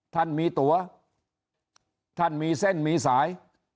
ท่านมีตัวท่านมีเส้นมีสาย